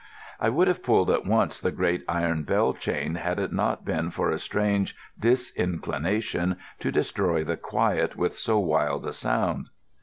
I would have pulled at once the great iron bell chain, had it not been for a strange disinclination to destroy the quiet with so wild a sound.